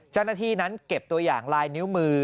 เจ้าหน้าที่นั้นเก็บตัวอย่างลายนิ้วมือ